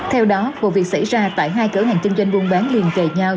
theo đó vụ việc xảy ra tại hai cửa hàng kinh doanh buôn bán liền kề nhau